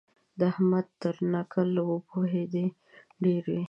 د احمد تر نکل وپوهېدې ډېر وي.